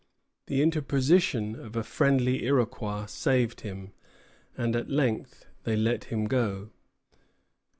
The interposition of a friendly Iroquois saved him; and at length they let him go.